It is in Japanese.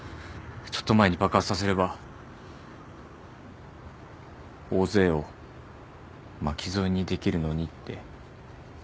ちょっと前に爆発させれば大勢を巻き添えにできるのにって。